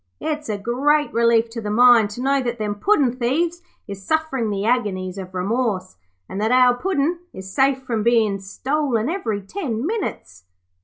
'It's a great relief to the mind to know that them puddin' thieves is sufferin' the agonies of remorse, and that our Puddin' is safe from bein' stolen every ten minutes.'